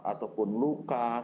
atau pun luka